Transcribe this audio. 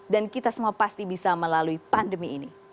dan kita semua pasti bisa melalui pandemi ini